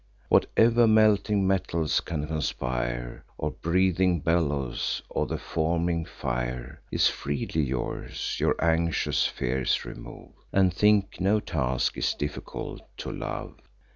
Whatever melting metals can conspire, Or breathing bellows, or the forming fire, Is freely yours: your anxious fears remove, And think no task is difficult to love."